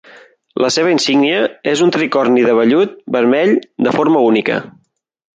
La seva insígnia és un tricorni de vellut vermell de forma única.